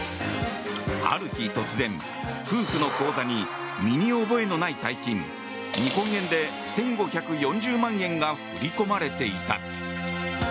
ある日突然、夫婦の口座に身に覚えのない大金日本円で１５４０万円が振り込まれていた。